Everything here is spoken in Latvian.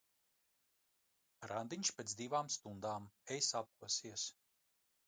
Randiņš pēc divām stundām, ej saposies!